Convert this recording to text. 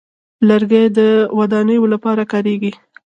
لرګی د ودانیو لپاره کارېږي.